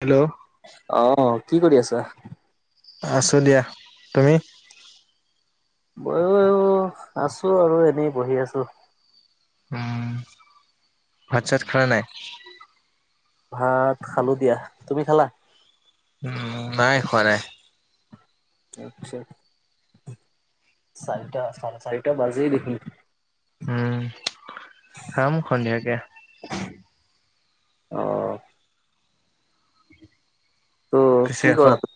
Hello অঁ কি কৰি আছা? আছোঁ দিয়া তুমি? ময়ো, আছো আৰু এনেই বহি আছো। উম, ভাত চাত খালা নাই? ভাত খালো দিয়া, তুমি খালা? উম, নাই খোৱা নাই। আটচ্ছা চাৰিটা, চাৰে চাৰিটা বাজেই দেখোন। উম, খাম সন্ধিয়াকে। অ'। ত', পিছে কি আকৌ কৰা ত',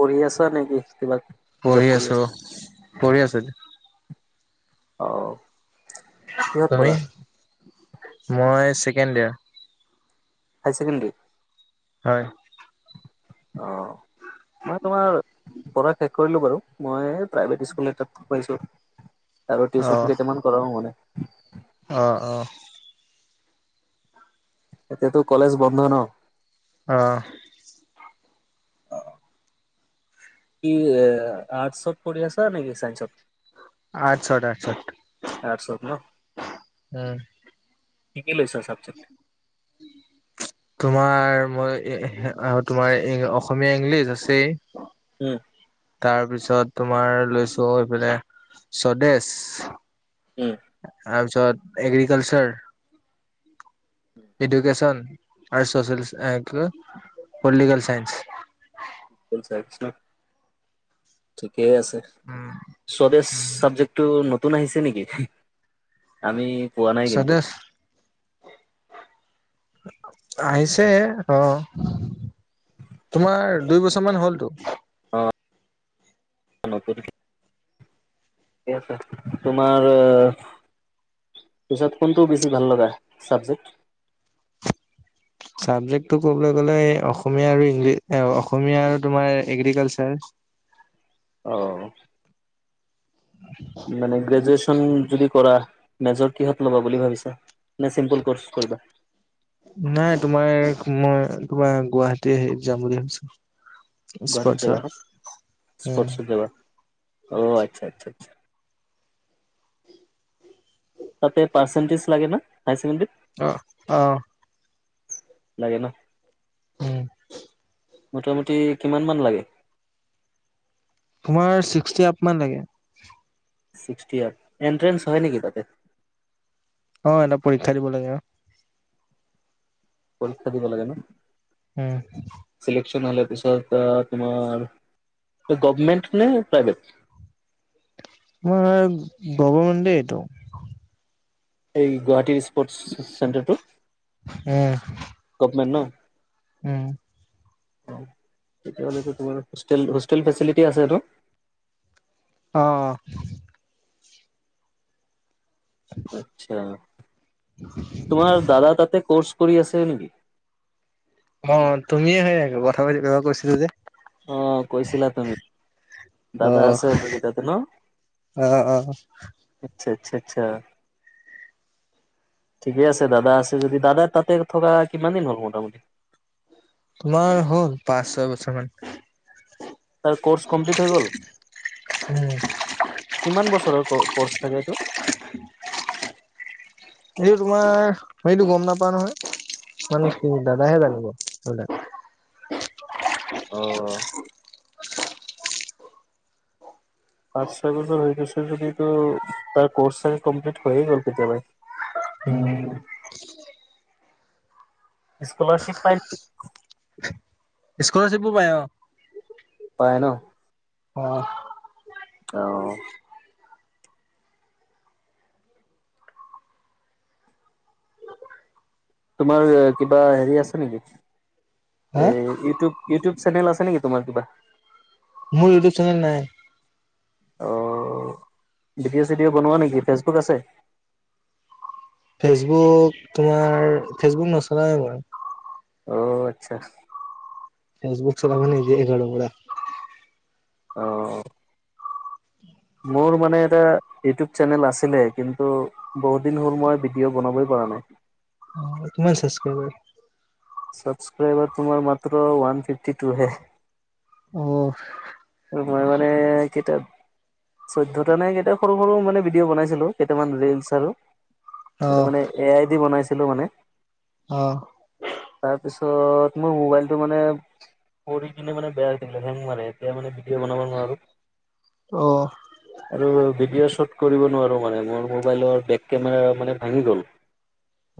পঢ়ি আছা নেকি কিবা‌কি পঢ়ি আছো, পঢ়ি আছো এতিয়া। অ'। কিহত তুমি, পঢ়া? মই ছেকেণ্ড ইয়াৰ। হাই ছেকেন্ড্ৰী? হয়। অঁ, মই তোমাৰ পঢ়া শেষ কৰিলো বাৰু, মই এই প্ৰাইভেট স্কুল এটাত সোমাইছো। আৰু অ টিউচন কেইটামান কৰাও মানে অ', অ' এতিয়াতো কলেজ বন্ধ ন? অঁহ। কি এআ আৰ্টছত পঢ়ি আছা নে কি চাইন্সত? আৰ্টছত আৰ্টছত আৰ্টছত ন? উম কি কি লৈছা ছাবজেক্ট? তোমাৰ মই এহ এ‌ তোমাৰ এ অসমীয়া, ইংলিছ আছেই উম। তাৰপিছত তোমাৰ লৈছো এইফালে স্বদেছ উম। তাৰপিছত এগ্ৰিকালছাৰ, ইডুকেছন আৰু চছিয়েলছ এ কি কয় পলিটিকেল চাইন্স। প'ল চাইন্স ন', ঠিকেই আছে। স্বদেছ চাবজেক্ট টো নতুন আহিছে নেকি? [unintelligible] আমি পোৱা নাই কিন্তু। চদে আহিছে, অঁহ। তোমাৰ দুই বছৰমান হ'লতো। [unintelligible] ঠিক আছে তোমাৰ অ পিছত কোনটো বেছি ভাল লগা ছাবজেক্ট ছাবজেক্টটো ক'বলৈ গ'লে অসমীয়া আৰু ইংলি অসমীয়া আৰু তোমাৰ এগ্ৰিকালচাৰ। অ' উ [unintelligible] মানে গ্ৰেজুৱেচন যদি কৰা মেজৰ কিহত ল'বা বুলি ভাবিছা নে চিম্পল কৰ্চ কৰিবি নাই তোমাৰ মই তোমাৰ গুৱাহাটী হেৰিত যাম বুলি ভাবিছো। গুৱাহাটীত স্পৰ্টছৰ। যাবা ন উম স্পৰ্টত যাবা অ আচ্ছা আচ্ছা আচ্ছা। তাতে পাৰ্চেণ্টিচ লাগে না হায়াৰ ছেকেণ্ডডাৰীত অ' অ লাগে ন। উম মোটামুটি কিমান মান লাগে তোমাৰ ছিক্সটি আপ মান লাগে। ছিক্সটি আপ এণ্ট্ৰেন্স হয় নেকি তাতে অ, এটা পৰীক্ষা দিব লাগে আৰু পৰীক্ষা দিব লাগে ন উম। চিলেকচন হলে পিছত অ তোমাৰ গভমেণ্ট নে প্ৰাইভেট মই গৱমেণ্ট দেই এইটো। এই গুৱাহাটীৰ স্পৰ্ট চেণ্টাৰটো উম গভমেণ্ট ন উম অ তেতিয়াহ'লে তোমাৰ হোষ্টেল হোষ্টেল ফেচেলিটি আছেটো অ আচ্ছা তোমাৰ দাদা তাতে কৰ্চ কৰি আছে নেকি অ' তুমিয়ে সেই কথা পাতিব কৈছিলে যে। অ' কৈছিলা তুমি। অ দাদা আছে অলৰেডি তাতে ন অ অ। আচ্ছা আচ্ছা আচ্ছা। ঠিকে আছে দাদা আছে যদি দাদা তাতে থকা কিমান দিন হ'ল মোটামুটি তোমাৰ হ'ল পাঁচ ছয় বছৰ মান। তাৰ কৰ্চ কমপ্লিট হৈ গ'ল উম কিমান বছৰৰ কৰ্চ থাকে এইটো এইটো তোমাৰ সেইটো গ'ম নাপাও নহয় মানে কি দাদাহে জানিব সেইবিলাক। অ' পাঁচ ছয় বছৰ হৈ গৈছে যদি তো তাৰ কৰ্চ চাগে কমপ্লিট হৈয়ে গ'ল কেতিয়াবাই। [unintelligible] স্কলাৰচিপ পাই নেকি? স্কলাৰচিপো পায় অ পায় ন অ' অ তোমাৰ কিবা হেৰি আছে নেকি হা এই ইউটোউৱ ইউটোউব চেনেল আছে নেকি তোমাৰ কিবা মোৰ ইউটিউব চেনেল নাই। অঁ ভিডিঅ' চি ডিঅ' বনোৱা নেকি? ফেচবুক আছে? ফেচবুক তোমাৰ ফেচবুক নচলাওঁ এ মই। অ' আচ্ছা। ফেচবুক চলাব নিদিয়ে ঘৰৰ পৰা। অহ' মোৰ মানে এটা ইউটিউব চেনেল আছিলে, কিন্তু বহুত দিন হ'ল মই ভিডিঅ' বনাবই পৰা নাই। অ' কিমান ছাচক্ৰাইবাৰ। ছাবস্ক্ৰাইবাৰ তোমাৰ মাত্ৰ ওৱান ফিফটি টু হে। অ' মই মানে কেইটা চৈধ্যটা নে কেইটা সৰু সৰু মানে ভিডিঅ' বনাইছিলোঁ কেইটামান ৰিলচ আৰু অ সেইটো মানে এ আই ডি বনাইছিলোঁ মানে অ তাৰপিছত মোৰ মোবাইলটো মানে পৰি কিনে মানে বেয়া হৈ থাকিলে হেং মাৰে এতিয়া মানে ভিডিঅ' বনাব নোৱাৰো অহ আৰু ভিডিঅ' শ্বুট কৰিব নোৱাৰো মানে মোৰ মোবাইলৰ বেক কেমেৰা মানে ভাঙি গ'ল [inaudible]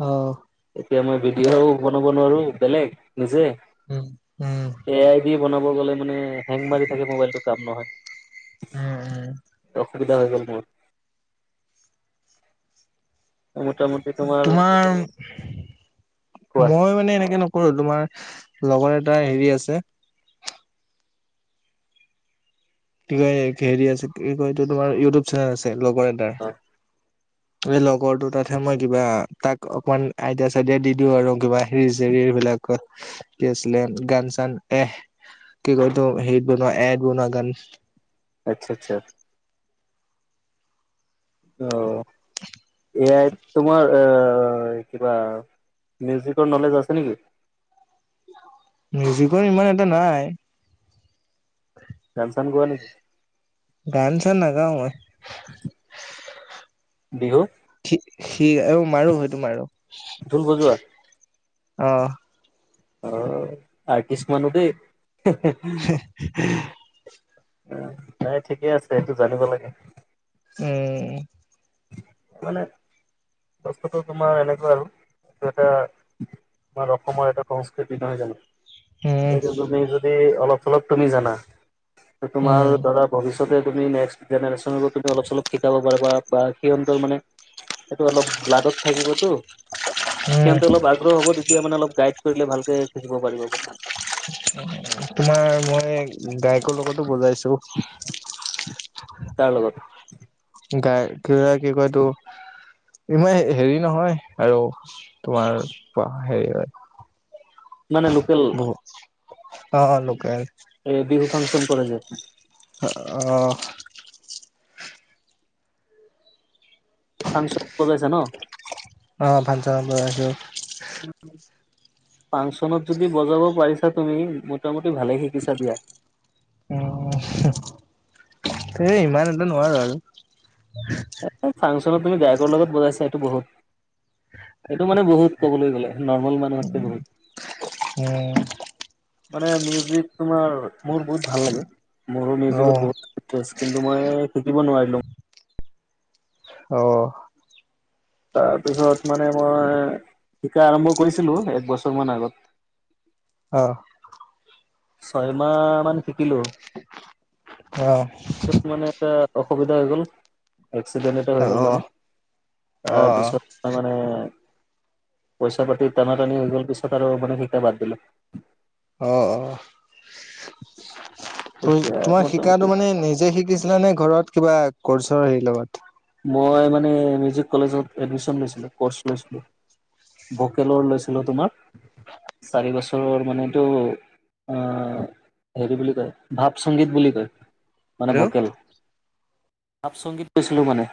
অহ এতিয়া মই ভিডিঅ'ও বনাব নোৱাৰো বেলেগ নিজে উম উম উম এ আই ভি বনাব গ'লে মানে হেং মাৰি থাকে মোবাইলটো কাম নহয় উম উম অসুবিধা হৈ গল মোৰ মোতা মোতি তোমাৰ কোৱা মই মানে এনেকে নকৰো তোমাৰ লগৰ এটা হেৰি আছে কি কয় হেৰি আছে কি কয় এইটো তোমাৰ ইউটিউব চেনেল আছে লগৰ এটাৰ অ এই লগৰ দুটাত হে মই কিবা তাক অকমান আইডিয়া চাইডিয়া দি দিও আৰু কিবা ৰিল চিল এই বিলাকত কি আছিলে গান চান এ কি কয় তোৰ হেইট বনোৱা এ আইত বনোৱা গান আচ্ছা আচ্ছা অ এ আইত তো তোমাৰ এ কিবা মিউজিকৰ নলেজ আছে নেকি মিউজিকৰ ইমান এটা নাই [inaudible] গান চান গোৱা নেকি গান চান নাগাওঁ মই [inaudible] বিহু স মাৰো সেইটো মাৰো ঢোল বজোৱা অ অ আৰ্টিষ্ট মানুহ দেেই উ নাই ঠিকে আছে সেইটো জানিব লাগে এ মানে বস্তুটো তোমাৰ এনেকোৱা আৰু টো এটা আমাৰ অসমৰ এটা সংস্কৃতি নহয় জানো? উম সেইটো তুমি যদি অলপ চলপ তুমি জানা তোমাৰ উম ধৰা ভৱিষ্য তে তুমি নেক্সট জেনেৰেচনো তুমি অলপ চলপ শিকাব পাৰা বা বা সিহঁতৰ মানে সেইটো অলপ লাডত থাকিবতো উম সিহঁতে অলপ আ গ্ৰহ হ'ব তেতিয়া মানে অলপ গাইড কৰিলে ভালকে শিকিব পাৰিব মানে তোমাৰ মই গায়কৰ লগতো বজাইছো কাৰ লগত গায়ক কি হয় কি কয় এইটো ইমান হেৰি নহয় আৰু তোমাৰ পা হেৰি হয় মানে লোকেল অ অ লোকেল এ বিহু ফাংচন কৰে যে অ ফাংচন কৰি পাইছা ন অ ভাংচন কৰি আহিলোআহিবো। ফাংচনত যদি বজাব পাৰিছা তুমি মোটামুটি ভালে শিকিছা দিয়া। উ এই ইমান এটা নোৱাৰো আৰু। এ ফাংচনত তুমি গায়কৰ লগত বজাইছা এইটো বহুত এইটো মানে বহুত ক'বলৈ গ'লে নৰ্মেল মানুহ আছে বহুত। উম, মানে মিউজিক তোমাৰ মোৰ বহুত ভাল লাগে মোৰো মিউজিকত অ', বহুত টো আছে কিন্তু মই শিকিব নোৱাৰিলো। অ তাৰপিছত মানে মই শিকা আৰম্ভ কৰিছিলো এক বছৰ মান আগত। অ ছয়মাহ মান শিকিলো। অ তাৰপিছত মানে এটা অসুবিধা হৈ গ'ল এক্সিডেণ্ট এটা হৈ গ'ল অ', মানে অ', তাৰপিছত তামানে পইছা পাতি টানা টানি হৈ গল পিছত আৰু মানে সেইতা বাদ দিলো অ অ তই তেতিয়া তোমাৰ শিকাতো মোটামুটি মানে নিজে শিকি ছিলা নে ঘৰত কিবা কৰ্চৰ হেৰি লগত মই মানে মিউজিক কলেজত এডমিশন লৈছিলো কৰ্চ লৈছিলো। ভোকেলৰ লৈছিলো তোমাৰ চাৰি বছৰৰ মানে এইটো অ হেৰি বুলি কয় ভাৱ সংগীত বুলি কয়। মানে হেল্ল' ভোকেল ভাপ সংগীত লৈছিলো মানে।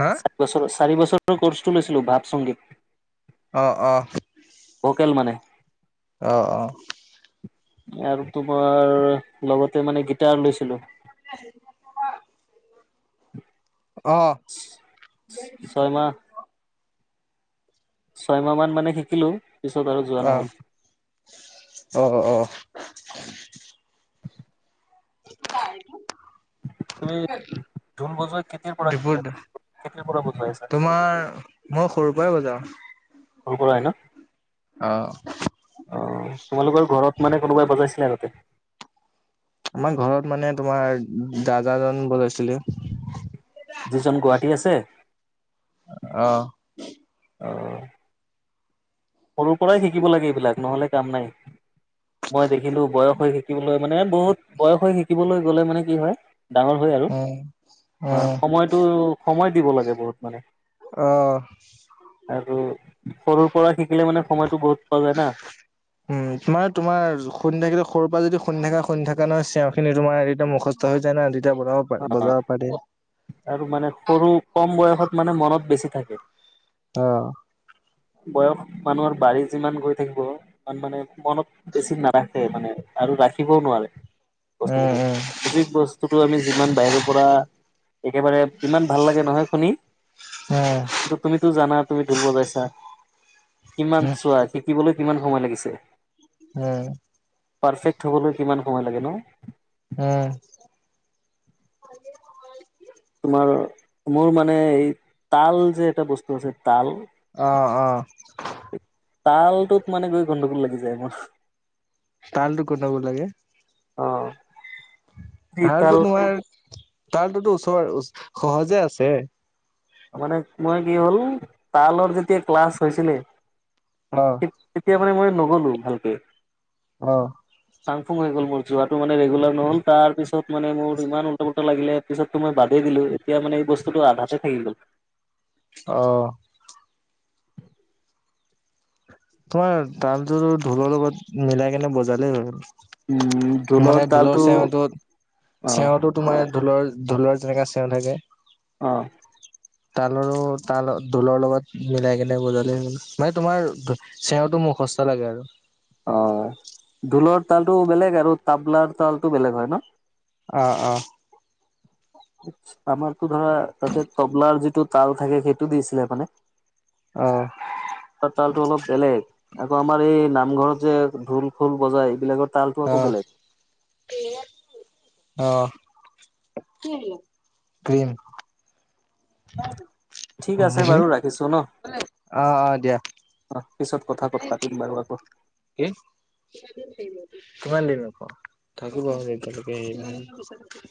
হা চাৰি বছৰ চাৰি বছৰৰ কৰ্চটো লৈছিলো ভাৱ সংগীত। অ অ ভোকেল মানে অ অ আৰু তোমাৰ লগতে মানে গিটাৰ লৈছিলো উ [unintelligible] অ ছয় মাহ ছয়মাহ মান মানে শিকিলোঁ, পিছত আৰু যোৱা অ', নহ'ল। অ', অ'। [unintelligible] তুমি ঢোল বজোৱা কেতিয়াৰ পৰা শিকি দপুৰ দ, কেতিয়াৰ পৰা বজাই আছা তোমাৰ মই সৰুৰ পৰাই বজাওঁ। সৰুৰ পৰাই ন'? অ'। অ' তোমালোকৰ ঘৰত মানে কোনোবাই বজাইছিলে আগতে? আমাৰ ঘৰত মানে তোমাৰ দাদাজন বজাইছিলে। যিজন গুৱাহাটী আছে? অ'। অ'। সৰুৰ পৰাই শিকিব লাগে এইবিলাক নহ'লে কাম নাই। মই দেখিলোঁ বয়স হৈ শিকিবলৈ মানে, বহুত বয়স হৈ শিকিবলৈ গ'লে মানে কি হয় ডাঙৰ হয় আৰু। উম, অ [unintelligible] সময়টো, সময় দিব লাগে বহুত মানে। অ'। আৰু সৰুৰ পৰা শিকিলে মানে সময়টো বহুত পোৱা যায় না। উম, তোমাৰ তোমাৰ শুনি থাকিলে, সৰুৰ পৰা যদি শুনি থাকা শুনি থকা নয় চেঞৰখিনি তোমাৰ একদম মুখত স্ত হৈ যায় না তেতিয়া বজাব প বজাব পাৰি অ' আৰু মানে সৰু কম বয়সত মানে মনত বেছি থাকে। অ'। বয়স মানুহৰ বাঢ়ি যিমান গৈ থাকিব ইমান মানে মনত বেছি নাৰাখে মানে আৰু ৰাখিবও নোৱাৰে উম বস্তুখিনি। উম যি বস্তুটো আমি যিমান বাহিৰৰ পৰা একেবাৰে, ইমান ভাল লাগে নহয় শুনি। হয়। [unintelligible] তুমিতো জানা তুমি দুৰ্বল হৈ আছা। কিমান চোৱা, শিকিবলৈ কিমান সময় লাগিছে। হয়। পাৰফেক্ট হ'বলৈ কিমান সময় লাগে ন'। হুম। তোমাৰ মোৰ মানে এই তাল যে এটা বস্তু আছে তাল অ', অ'। তালটোত মানে গৈ গণ্ডগোল লাগি যায় মোৰ। তালটো গণ্ডগোল লাগে? অ'। তালটো তোমাৰ তালটোতো ওচৰ, সহজে আছে। মানে মই কি হ'ল তালৰ যেতিয়া ক্লাছ হৈছিলে অ'। তেতিয়া মানে মই নগ'লো ভালকে। অ'। ফাং ফুং হৈ গ'ল মোৰ, যোৱাটো মানে ৰেগুলাৰ নহ'ল তাৰ পিছত মানে মোৰ ইমান উলটা পুলটা লাগিলে। পিছততো মই বাদে দিলোঁ। এতিয়া মানে এই বস্তুটো আধাতে থাকি গ'ল। অ'। তোমাৰ তালটোতো ঢোলৰ লগত মিলাই কেনে বজালেই হ'ল। উম, মানে ঢোলৰ তালটো চেউটোত অ', চেউটোত তোমাৰ ঢোলৰ ঢোলৰ যেনেকা চেও থাকে। অঁ। তালৰো তাল দোলৰ লগত মিলাই কেনে বজাল হ'ল মানে তোমাৰ। চেৱতো মোসস্তা লাগে আৰু। অ ঢোলৰ তালতটো বেলেগ আৰু তাবলাৰ তালতটো বেলেগ হয় ন। অ অ। আমাৰতো ধৰা তাতে তবলাৰ যিটো তাল থাকে সেইটো দিছিলে মানে। অ। তালো অলপ বেলেগ আকৌ আমাৰ এই নামঘৰত যে ঢোল খোল বজাই এইবিলাকত। তালটো আকৌ অ', বেলেগ। অ। Cream, dream. ঠিক আছে বাৰু ৰাখিছো ন। অ', অ', দিয়া। অ পিছত কথা কত পাতিম বাৰু আকৌ। কি? কিমান দিন নক থাকিব এতিয়ালৈকে হৰি।